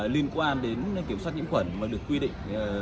liên quan đến kiểm soát nhiễm khuẩn mà được quy định